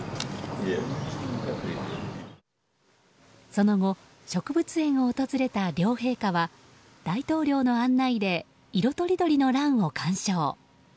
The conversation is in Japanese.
その後植物園を訪れた両陛下は大統領の案内で色とりどりの蘭を鑑賞。